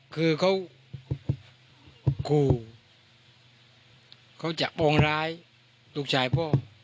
คือเขาขู่เขาจะปองร้ายลูกชายพ่อ